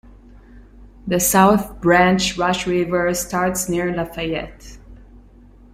The South Branch Rush River starts near Lafayette.